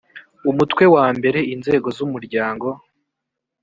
umutwe wa mbere inzego z umuryango